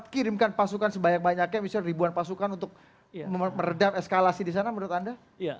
kirimkan pasukan sebanyak banyaknya misalnya ribuan pasukan untuk meredam eskalasi di sana menurut anda